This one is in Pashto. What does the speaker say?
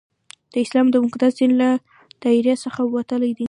د اسلام د مقدس دین له دایرې څخه وتل دي.